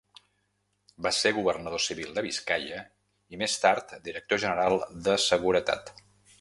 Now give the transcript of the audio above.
Va ser governador civil de Biscaia, i més tard Director general de Seguretat.